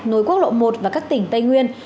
nối quốc lộ một và các tỉnh tây nguyên